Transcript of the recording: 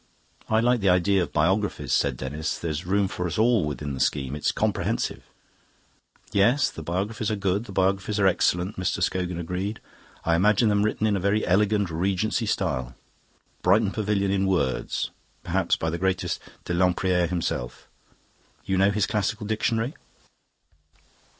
"I like the idea of the Biographies," said Denis. "There's room for us all within the scheme; it's comprehensive." "Yes, the Biographies are good, the Biographies are excellent," Mr Scogan agreed. "I imagine them written in a very elegant Regency style Brighton Pavilion in words perhaps by the great Dr. Lempriere himself. You know his classical dictionary?